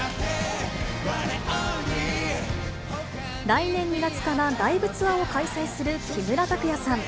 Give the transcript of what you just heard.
来年２月からライブツアーを開催する木村拓哉さん。